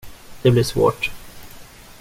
Det blir svårt.